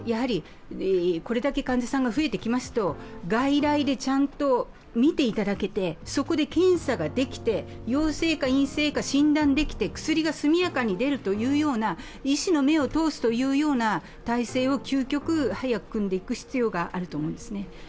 これだけ患者さんが増えてきますと外来でちゃんと診ていただけてそこで検査ができて陽性か陰性か診断できて薬が速やかに出るという医師の目を通す体制を究極、早く組んでいく必要があると思うんですね。